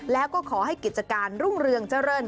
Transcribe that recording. แล้วก็ขอให้กิจการรุ่งเรืองเจริญ